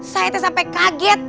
saya tuh sampai kaget